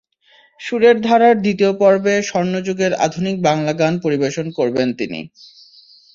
সুরের ধারার দ্বিতীয় পর্বে স্বর্ণযুগের আধুনিক বাংলা গান পরিবেশন করবেন তিনি।